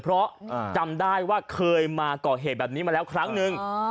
เพราะจำได้ว่าเคยมาก่อเหตุแบบนี้มาแล้วครั้งนึง